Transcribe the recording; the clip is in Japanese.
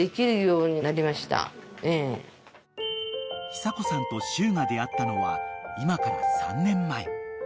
［久子さんとしゅうが出合ったのは今から３年前］